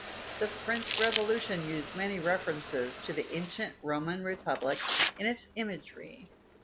The French Revolution used many references to the ancient Roman Republic in its imagery.